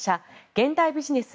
「現代ビジネス」